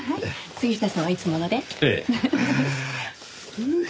杉下さんはいつもので？